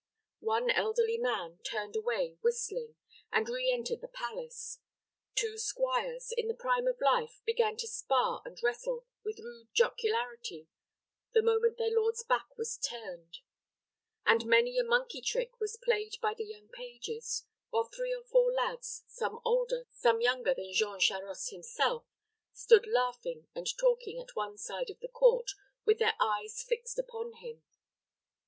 One elderly man turned away whistling, and re entered the palace. Two squires, in the prime of life, began to spar and wrestle with rude jocularity, the moment their lord's back was turned; and many a monkey trick was played by the young pages, while three or four lads, some older, some younger than Jean Charost himself, stood laughing and talking at one side of the court, with their eyes fixed upon him.